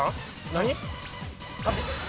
何？